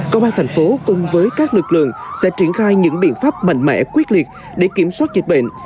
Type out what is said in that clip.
công an thành phố cùng với các lực lượng sẽ triển khai những biện pháp mạnh mẽ quyết liệt để kiểm soát dịch bệnh